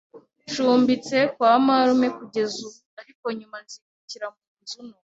Ncumbitse kwa marume kugeza ubu, ariko nyuma nzimukira mu nzu nto.